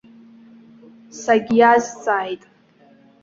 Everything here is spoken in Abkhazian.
Сагьиазҵааит.